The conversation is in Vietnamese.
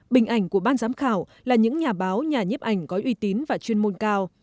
bình ảnh của ban giám khảo là những nhà báo nhà nhếp ảnh có uy tín và chuyên môn cao